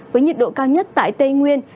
với nhiệt độ cao nhất tại tây nguyên